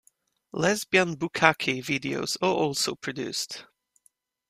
"Lesbian bukkake" videos are also produced.